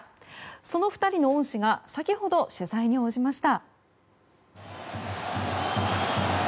その２人の恩師が先ほど取材に応じました。